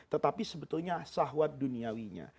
tetapi sebetulnya sahwat duniawinya